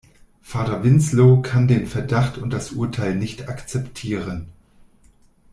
Vater Winslow kann den Verdacht und das Urteil nicht akzeptieren.